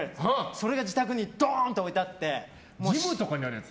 それが自宅に置いてあってジムとかにあるやつ？